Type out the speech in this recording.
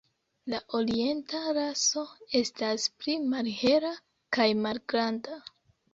La orienta raso estas pli malhela kaj malgranda.